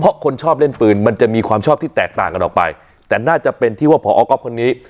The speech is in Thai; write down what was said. เพราะคนชอบเล่นปืนมันจะมีความชอบที่แตกต่างกันออกไปแต่น่าจะเป็นที่ว่าพอก๊อฟคนนี้